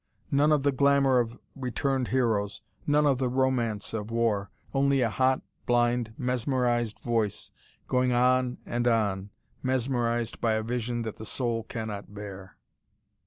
None of the glamour of returned heroes, none of the romance of war: only a hot, blind, mesmerised voice, going on and on, mesmerised by a vision that the soul cannot bear.